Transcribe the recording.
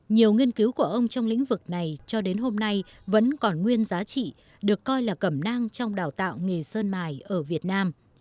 nhiều nghiên cứu của ông trong lĩnh vực này cho đến hôm nay vẫn còn nguyên giá trị được coi là cầm nang trong đào tạo nghề sơn mài ở việt nam